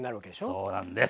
そうなんです。